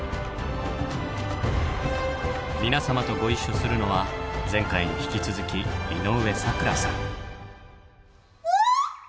皆様とご一緒するのは前回に引き続き井上咲楽さん。